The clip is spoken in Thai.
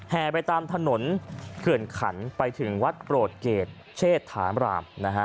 ไปตามถนนเขื่อนขันไปถึงวัดโปรดเกรดเชษฐามรามนะฮะ